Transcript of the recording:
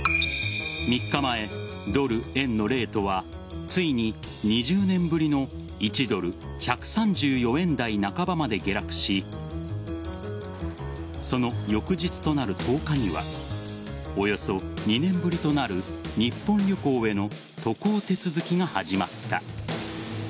３日前、ドル円のレートはついに２０年ぶりの１ドル１３４円台半ばまで下落しその翌日となる１０日にはおよそ２年ぶりとなる日本旅行への渡航手続きが始まった。